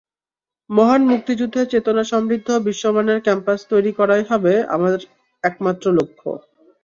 মহান মুক্তিযুদ্ধের চেতনা সমৃদ্ধ বিশ্বমানের ক্যাম্পাস তৈরি করাই হবে আমার একমাত্র লক্ষ্যে।